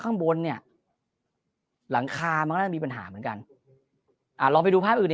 ข้างบนเนี่ยหลังคามันก็น่าจะมีปัญหาเหมือนกันอ่าลองไปดูภาพอื่น